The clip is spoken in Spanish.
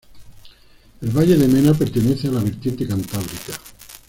El Valle de Mena pertenece a la vertiente cantábrica.